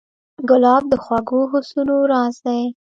ګلاب د خوږو حسونو راز دی.